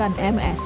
hal ini diunggah